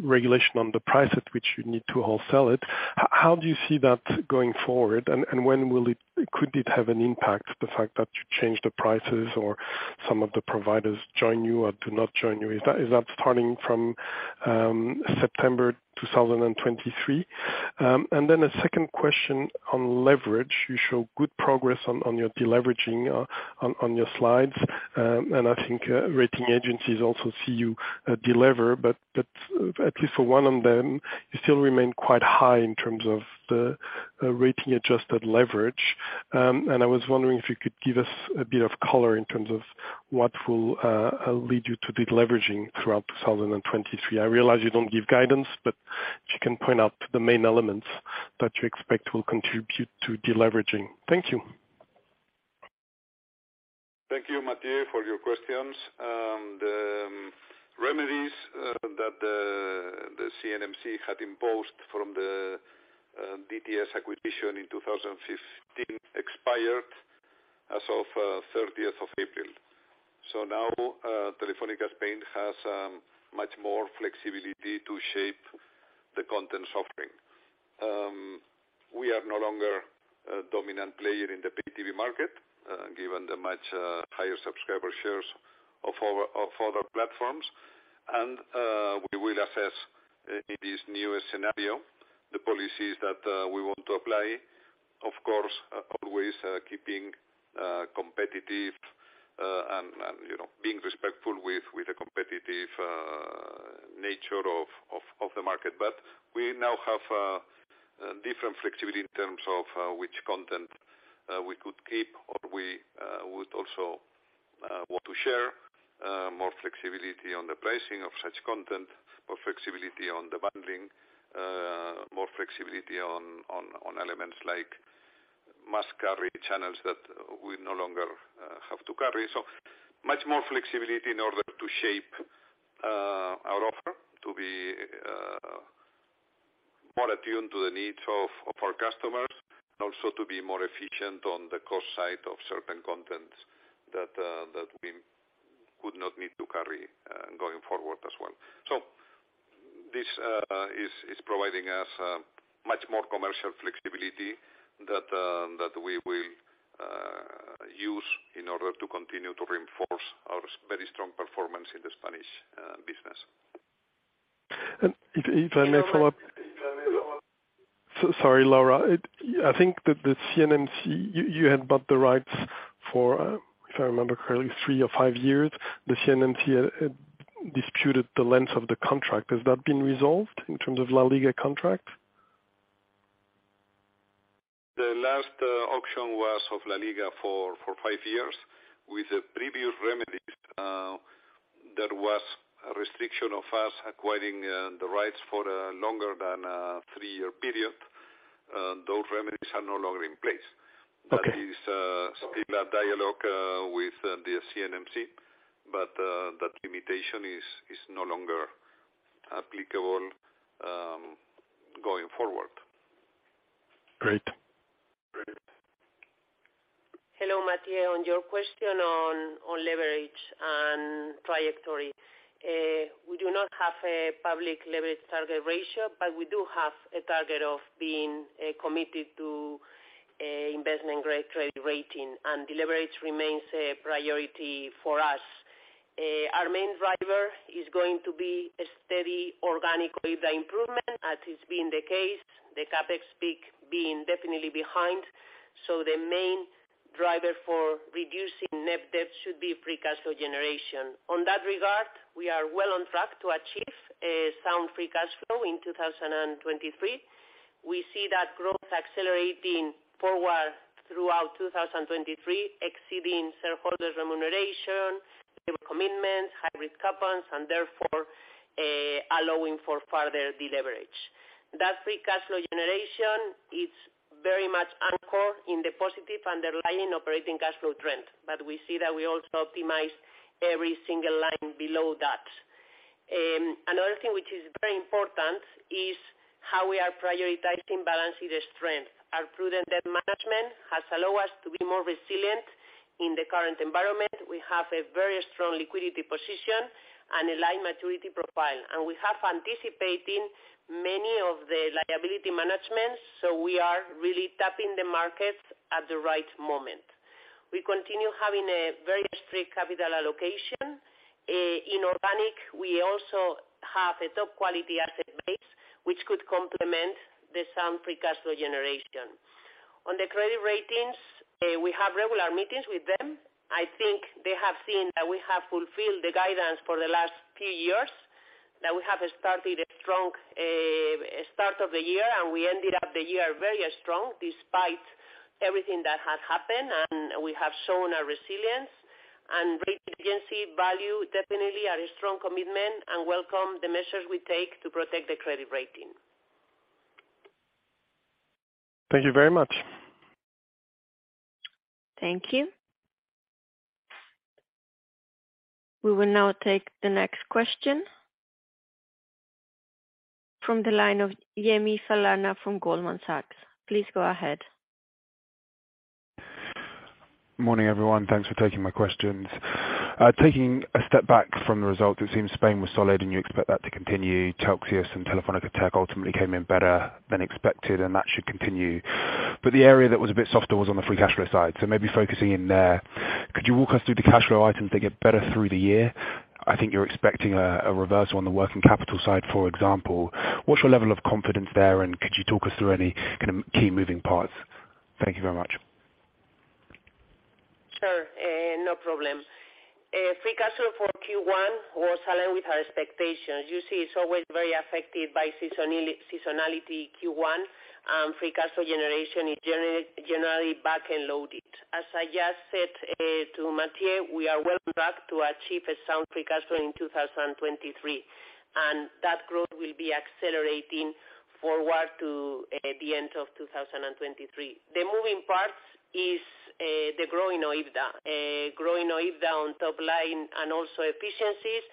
regulation on the price at which you need to wholesale it. How do you see that going forward, and when will it could it have an impact, the fact that you changed the prices or some of the providers join you or do not join you? Is that starting from September 2023? A second question on leverage. You show good progress on your deleveraging on your slides. I think rating agencies also see you delever, but at least for one of them, you still remain quite high in terms of the rating-adjusted leverage. I was wondering if you could give us a bit of color in terms of what will lead you to deleveraging throughout 2023. I realize you don't give guidance, but if you can point out the main elements that you expect will contribute to deleveraging. Thank you. Thank you, Mathieu, for your questions. The remedies that the CNMC had imposed from the DTS acquisition in 2015 expired as of 30th of April. Now, Telefónica Spain has much more flexibility to shape the content offering. We are no longer a dominant player in the pay TV market, given the much higher subscriber shares of other platforms. We will assess in this newest scenario the policies that we want to apply. Of course, always keeping competitive and, you know, being respectful with the competitive nature of the market. We now have different flexibility in terms of which content we could keep, or we would also want to share, more flexibility on the pricing of such content, more flexibility on the bundling, more flexibility on elements like must-carry channels that we no longer have to carry. Much more flexibility in order to shape our offer to be more attuned to the needs of our customers, also to be more efficient on the cost side of certain contents that we would not need to carry going forward as well. This is providing us much more commercial flexibility that we will use in order to continue to reinforce our very strong performance in the Spanish business. If I may follow up. Sorry, Laura. I think that the CNMC, you had bought the rights for, if I remember correctly, three or five years. The CNMC disputed the length of the contract. Has that been resolved in terms of LaLiga contract? The last auction was of LaLiga for five years. With the previous remedies, there was a restriction of us acquiring the rights for longer than a three-year period. Those remedies are no longer in place. Okay. That is still a dialogue with the CNMC, but that limitation is no longer applicable going forward. Great. Great. Hello, Mathieu. On your question on leverage and trajectory, we do not have a public leverage target ratio, but we do have a target of being committed to an investment-grade credit rating, and deleverage remains a priority for us. Our main driver is going to be a steady organic EBITDA improvement, as has been the case, the CapEx peak being definitely behind. The main driver for reducing net debt should be free cash flow generation. On that regard, we are well on track to achieve a sound free cash flow in 2023. We see that growth accelerating forward throughout 2023, exceeding shareholders remuneration, debt commitments, hybrid coupons, and therefore, allowing for further deleverage. That free cash flow generation is very much anchored in the positive underlying operating cash flow trend, but we see that we also optimize every single line below that. Another thing which is very important is how we are prioritizing balancing the strength. Our prudent debt management has allowed us to be more resilient in the current environment. We have a very strong liquidity position and aligned maturity profile, and we have anticipating many of the liability managements, so we are really tapping the markets at the right moment. We continue having a very strict capital allocation. In organic, we also have a top-quality asset base, which could complement the sound free cash flow generation. On the credit ratings, we have regular meetings with them. I think they have seen that we have fulfilled the guidance for the last few years, that we have started a strong start of the year, we ended up the year very strong despite everything that has happened. We have shown a resilience. Rating agency value definitely are a strong commitment and welcome the measures we take to protect the credit rating. Thank you very much. Thank you. We will now take the next question from the line of Yemi Falana from Goldman Sachs. Please go ahead. Morning, everyone. Thanks for taking my questions. Taking a step back from the result, it seems Spain was solid and you expect that to continue. Telxius and Telefónica Tech ultimately came in better than expected, and that should continue. The area that was a bit softer was on the free cash flow side, so maybe focusing in there. Could you walk us through the cash flow items that get better through the year? I think you're expecting a reversal on the working capital side, for example. What's your level of confidence there, and could you talk us through any kind of key moving parts? Thank you very much. Sure, no problem. Free cash flow for Q1 was in line with our expectations. You see, it's always very affected by seasonality Q1, free cash flow generation is generally back end loaded. As I just said, to Mathieu, we are well on track to achieve a sound free cash flow in 2023, and that growth will be accelerating forward to the end of 2023. The moving parts is the growing OIBDA. Growing OIBDA on top line and also efficiencies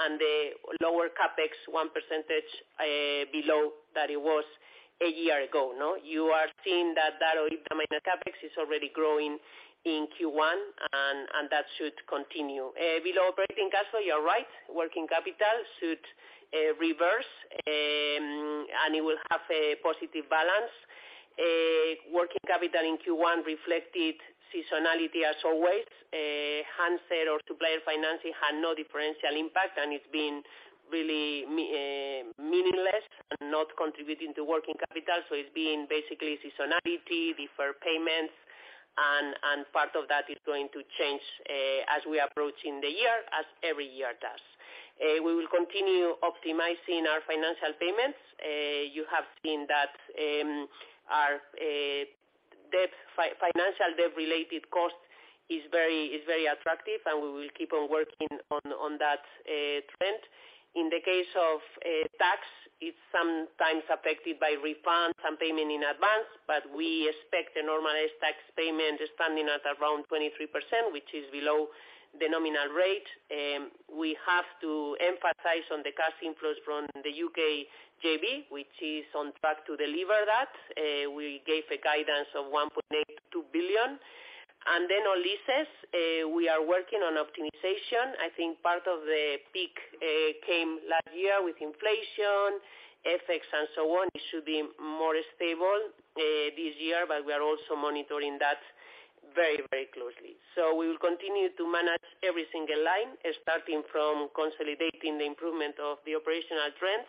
and the lower CapEx 1%, below that it was a year ago, no? You are seeing that that OIBDA minus CapEx is already growing in Q1 and that should continue. Below operating cash flow, you're right. Working capital should reverse, and it will have a positive balance. Working capital in Q1 reflected seasonality as always. Handset or supplier financing had no differential impact, and it's been really meaningless and not contributing to working capital. It's been basically seasonality, deferred payments and part of that is going to change as we approach in the year, as every year does. We will continue optimizing our financial payments. You have seen that our financial debt-related cost is very attractive, and we will keep on working on that trend. In the case of tax, it's sometimes affected by refunds and payment in advance, but we expect the normalized tax payment standing at around 23%, which is below the nominal rate. We have to emphasize on the cash inflows from the U.K. JV, which is on track to deliver that. We gave a guidance of 1.82 billion. On leases, we are working on optimization. I think part of the peak came last year with inflation, FX and so on. It should be more stable this year, but we are also monitoring that very, very closely. We will continue to manage every single line, starting from consolidating the improvement of the operational trends.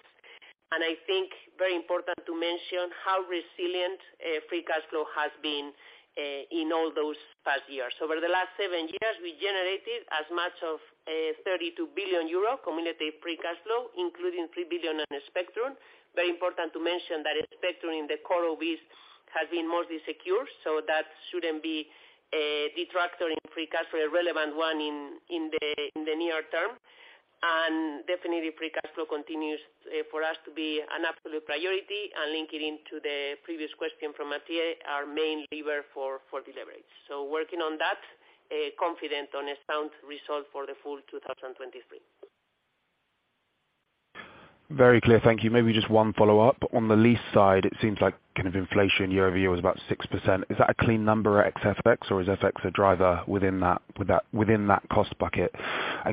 I think very important to mention how resilient free cash flow has been in all those past years. Over the last seven years, we generated as much of 32 billion euro cumulative free cash flow, including 3 billion on the spectrum. Very important to mention that spectrum in the core OIBs has been mostly secure, so that shouldn't be a detractor in free cash flow, a relevant one in the, in the near term. Definitely free cash flow continues for us to be an absolute priority, and linking into the previous question from Mathieu, our main lever for de-leverage. Working on that, confident on a sound result for the full 2023. Very clear. Thank you. Maybe just one follow-up. On the lease side, it seems like kind of inflation year-over-year was about 6%. Is that a clean number ex FX, or is FX a driver within that cost bucket?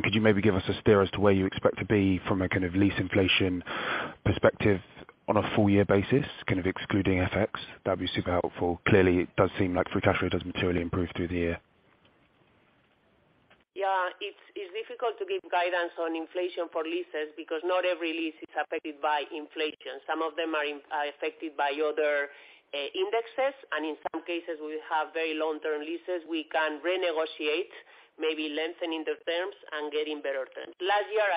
Could you maybe give us a steer as to where you expect to be from a kind of lease inflation perspective on a full year basis, kind of excluding FX? That'd be super helpful. Clearly, it does seem like free cash flow doesn't clearly improve through the year. Yeah. It's difficult to give guidance on inflation for leases because not every lease is affected by inflation. Some of them are affected by other indexes, and in some cases, we have very long-term leases we can renegotiate, maybe lengthening the terms and getting better terms. Last year,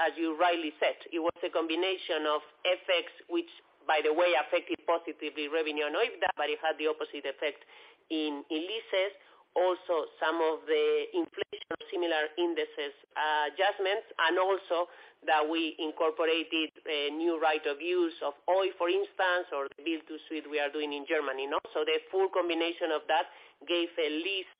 as you rightly said, it was a combination of FX, which by the way affected positively revenue and OIBDA, but it had the opposite effect in leases. Also some of the inflation similar indexes adjustments, and also that we incorporated a new right of use of Oi, for instance, or build-to-suit we are doing in Germany, no? So the full combination of that gave a lease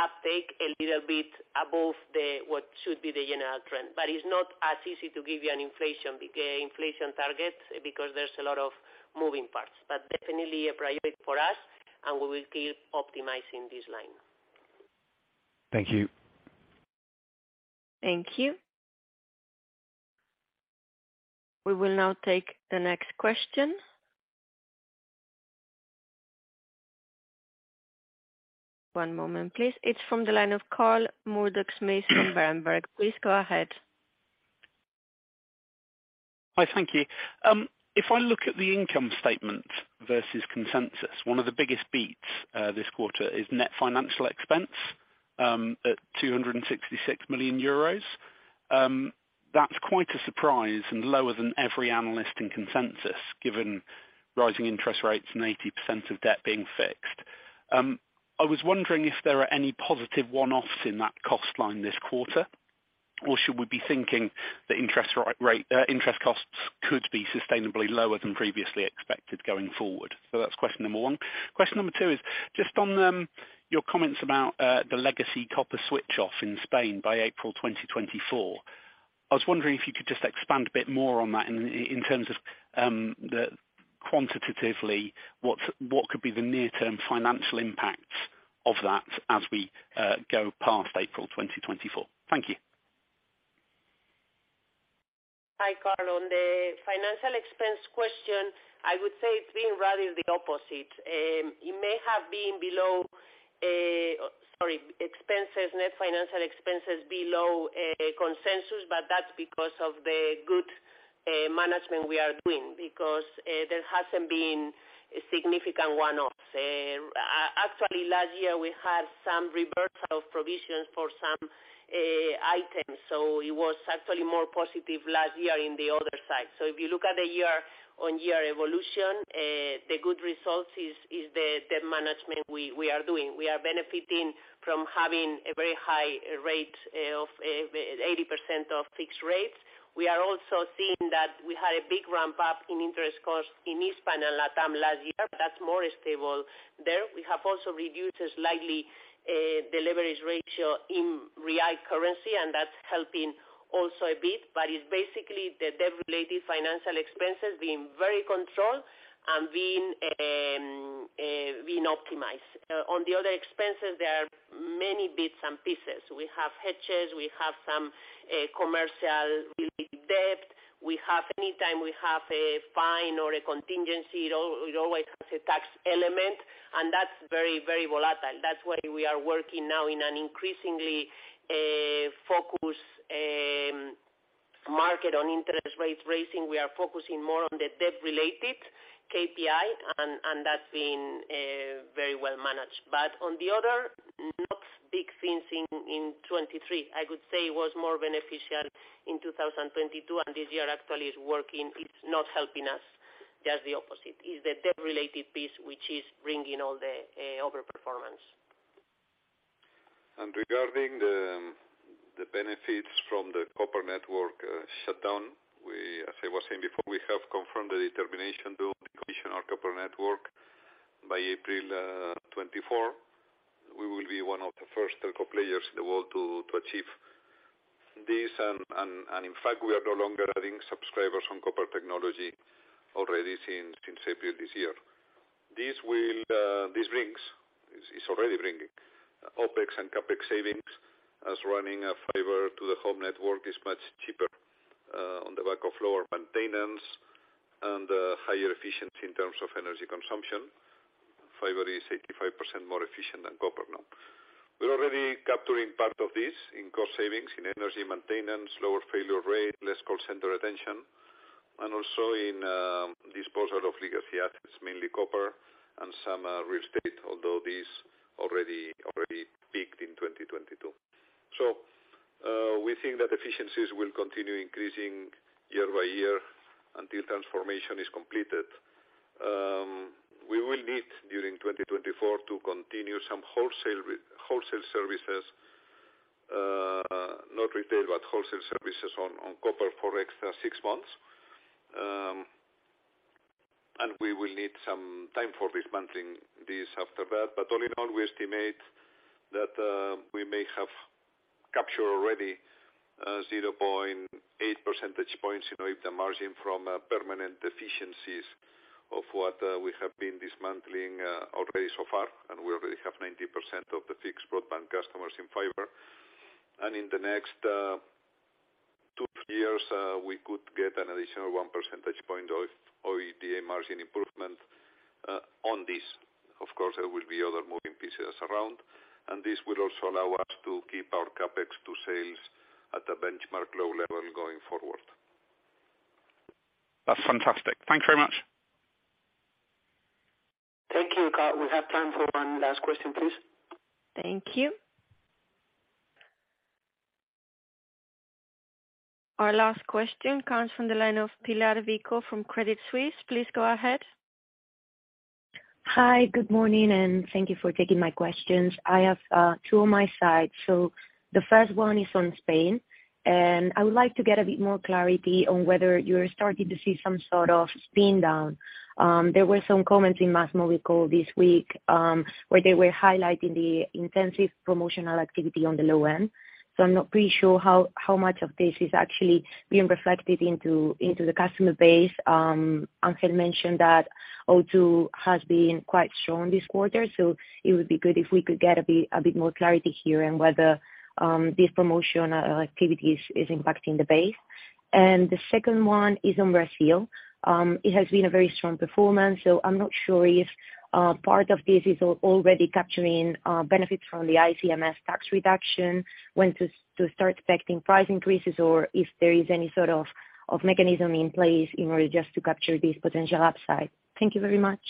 uptake a little bit above the what should be the general trend. It's not as easy to give you an inflation a inflation target because there's a lot of moving parts. Definitely a priority for us, and we will keep optimizing this line. Thank you. Thank you. We will now take the next question. One moment, please. It's from the line of Carl Murdock-Smith from Berenberg. Please go ahead. Thank you. If I look at the income statement versus consensus, one of the biggest beats this quarter is net financial expense at 266 million euros. That's quite a surprise and lower than every analyst in consensus, given rising interest rates and 80% of debt being fixed. I was wondering if there are any positive one-offs in that cost line this quarter? Or should we be thinking that interest costs could be sustainably lower than previously expected going forward? That's question number one. Question number two is just on your comments about the legacy copper switch off in Spain by April 2024. I was wondering if you could just expand a bit more on that in terms of, quantitatively, what's, what could be the near term financial impacts of that as we go past April 2024? Thank you. Hi, Carl. On the financial expense question, I would say it's been rather the opposite. It may have been below, sorry, expenses, net financial expenses below consensus, but that's because of the good management we are doing. There hasn't been significant one-offs. Actually last year, we had some reversal of provisions for some items, so it was actually more positive last year in the other side. If you look at the year-on-year evolution, the good results is the management we are doing. We are benefiting from having a very high rate of 80% of fixed rates. We are also seeing that we had a big ramp up in interest costs in Spain and LatAm last year. That's more stable there. We have also reduced slightly the leverage ratio in real currency, and that's helping also a bit. It's basically the debt-related financial expenses being very controlled and being optimized. On the other expenses, there are many bits and pieces. We have hedges, we have some commercial related debt. We have, anytime we have a fine or a contingency, it always has a tax element, and that's very, very volatile. That's why we are working now in an increasingly focused market on interest rates raising. We are focusing more on the debt related KPI and that's been very well managed. On the other, not big things in 2023, I could say was more beneficial in 2022, and this year actually is working, it's not helping us, just the opposite. It's the debt related piece which is bringing all the over performance. Regarding the benefits from the copper network, shutdown, we, as I was saying before, we have confirmed the determination to decommission our copper network by April 2024. We will be one of the first telco players in the world to achieve this. In fact, we are no longer adding subscribers on copper technology already since April this year. This is already bringing OpEx and CapEx savings as running a fiber to the home network is much cheaper, on the back of lower maintenance and higher efficiency in terms of energy consumption. Fiber is 85% more efficient than copper now. We're already capturing part of this in cost savings, in energy maintenance, lower failure rate, less call center attention, and also in disposal of legacy assets, mainly copper and some real estate, although this already peaked in 2022. We think that efficiencies will continue increasing year by year until transformation is completed. We will need, during 2024, to continue some wholesale services, not retail, but wholesale services on copper for extra six months. We will need some time for dismantling this after that. All in all, we estimate that we may have captured already 0.8 percentage points in OIBDA margin from permanent efficiencies of what we have been dismantling already so far. We already have 90% of the fixed broadband customers in fiber. In the next, two years, we could get an additional 1 percentage point of OIBDA margin improvement, on this. Of course, there will be other moving pieces around, and this will also allow us to keep our CapEx to sales at a benchmark low level going forward. That's fantastic. Thanks very much. Thank you, Carl. We have time for one last question, please. Thank you. Our last question comes from the line of Pilar Vico from Credit Suisse. Please go ahead. Hi. Good morning, and thank you for taking my questions. I have two on my side. The first one is on Spain, and I would like to get a bit more clarity on whether you're starting to see some sort of spin down. There were some comments in MásMóvil this week, where they were highlighting the intensive promotional activity on the low end. I'm not pretty sure how much of this is actually being reflected into the customer base. Ángel mentioned that O2 has been quite strong this quarter, so it would be good if we could get a bit more clarity here on whether this promotional activity is impacting the base. The second one is on Brazil. It has been a very strong performance, so I'm not sure if, part of this is already capturing, benefits from the ICMS tax reduction, when to start expecting price increases or if there is any sort of mechanism in place in order just to capture this potential upside. Thank you very much.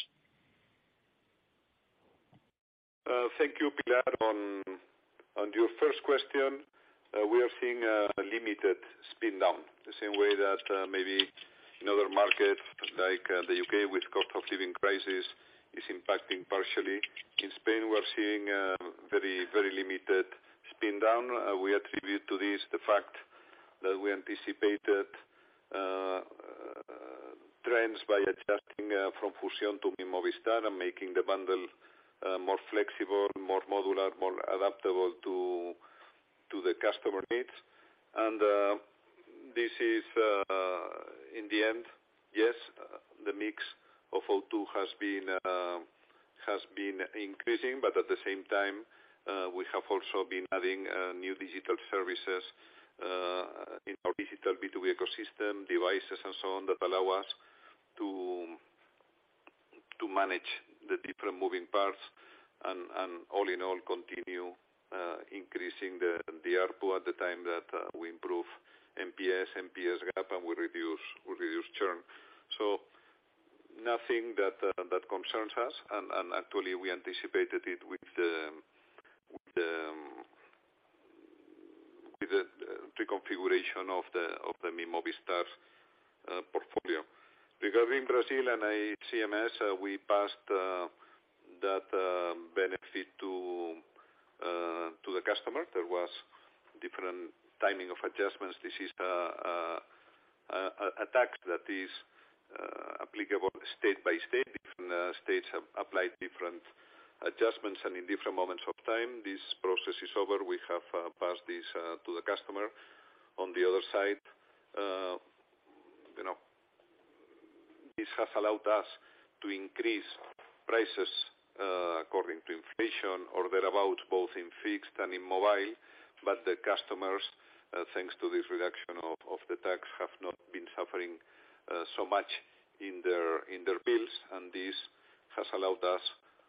Thank you, Pilar. On your first question, we are seeing a limited spin down, the same way that, maybe in other markets like, the U.K. with cost of living crisis is impacting partially. In Spain, we are seeing, very limited spin down. We attribute to this the fact that we anticipated, trends by adjusting, from Fusion to Movistar and making the bundle, more flexible, more modular, more adaptable to the customer needs. This is in the end, yes, the mix of O2 has been increasing, but at the same time, we have also been adding new digital services in our digital B2B ecosystem, devices and so on, that allow us to manage the different moving parts and all in all continue increasing the ARPU at the time that we improve NPS gap, and we reduce churn. Nothing that concerns us. Actually, we anticipated it with the reconfiguration of the miMovistar portfolio. Regarding Brazil and ICMS, we passed that benefit to the customer. There was different timing of adjustments. This is a tax that is applicable state by state. Different states have applied different adjustments and in different moments of time. This process is over. We have passed this to the customer. On the other side, you know, this has allowed us to increase prices according to inflation or thereabout, both in fixed and in mobile. The customers, thanks to this reduction of the tax, have not been suffering so much in their bills. This has allowed us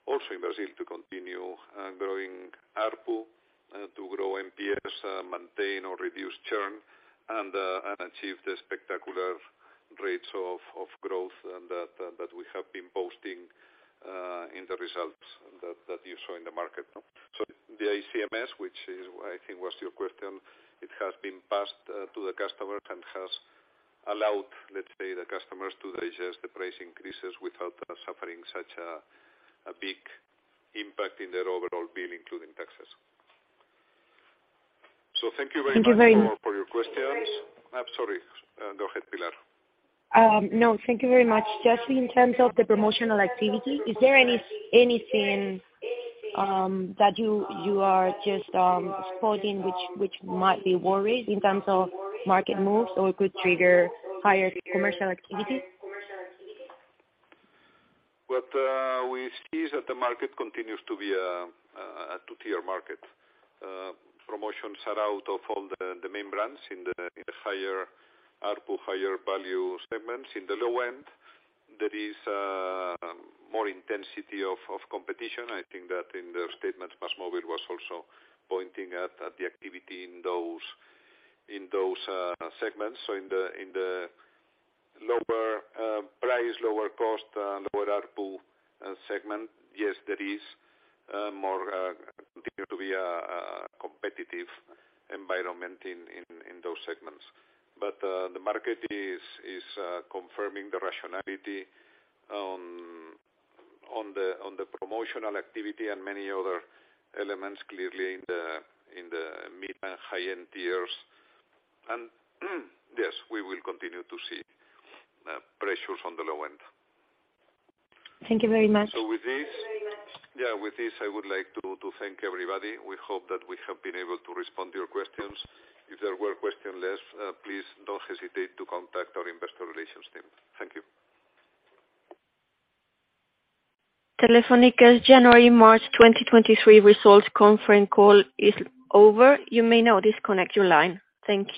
also in Brazil to continue growing ARPU, to grow NPS, maintain or reduce churn and achieve the spectacular rates of growth that we have been posting in the results that you saw in the market. The ICMS, which is, I think was your question, it has been passed to the customer and has allowed, let's say, the customers to digest the price increases without suffering such a big impact in their overall bill, including taxes. Thank you very much. Thank you very much.... for your questions. I'm sorry. Go ahead, Pilar. No, thank you very much. Just in terms of the promotional activity, is there anything that you are just spotting which might be worried in terms of market moves or could trigger higher commercial activity? What we see is that the market continues to be a two-tier market. Promotions are out of all the main brands in the higher ARPU, higher value segments. In the low end, there is more intensity of competition. I think that in their statements, MásMóvil was also pointing at the activity in those segments. In the lower price, lower cost, lower ARPU segment, yes, there is more continue to be a competitive environment in those segments. The market is confirming the rationality on the promotional activity and many other elements clearly in the mid and high-end tiers. Yes, we will continue to see pressures on the low end. Thank you very much. So with this- Thank you very much. With this, I would like to thank everybody. We hope that we have been able to respond to your questions. If there were question left, please don't hesitate to contact our investor relations team. Thank you. Telefónica's January, March 2023 results conference call is over. You may now disconnect your line. Thank you.